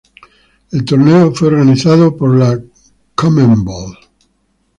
El torneo fue organizado por la Conmebol.